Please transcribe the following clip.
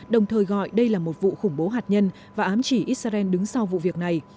đồng thời gọi đây là một vụ khủng bố hạt nhân và ám chỉ israel đứng sau vụ việc này